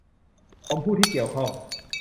ของผู้ที่เกี่ยวข้อง